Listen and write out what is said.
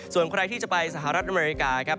ส่วนใครที่จะไปสหรัฐอเมริกาครับ